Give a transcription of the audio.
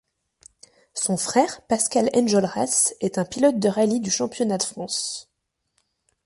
Son frère, Pascal Enjolras, est un pilote de rallye du championnat de France.